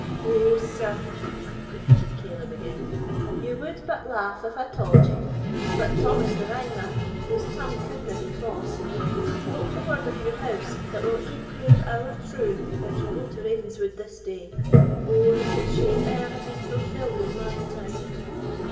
"Oh, sir," repeated Caleb again, "you would but laugh if I tauld it; but Thomas the Rhymer, whose tongue couldna be fause, spoke the word of your house that will e'en prove ower true if you go to Ravenswood this day. Oh, that it should e'er have been fulfilled in my time!"